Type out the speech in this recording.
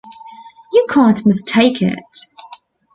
You can’t mistake it.